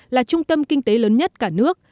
là trung tâm kinh tế lớn nhất cả nước